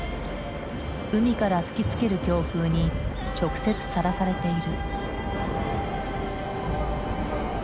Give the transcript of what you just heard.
海から吹きつける強風に直接さらされている。